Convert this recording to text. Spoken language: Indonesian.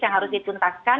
yang harus ditunjukkan